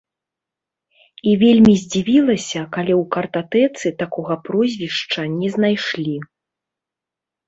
І вельмі здзівілася, калі ў картатэцы такога прозвішча не знайшлі.